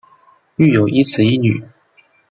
育有一子一女。